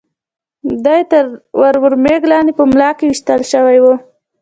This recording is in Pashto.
دی تر ور مېږ لاندې په ملا کې وېشتل شوی و.